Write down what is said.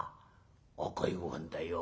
赤いごはんだよ。